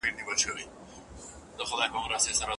هغه هېڅکله خپل کارونه نه لست کوي او تل بې نظمه وي.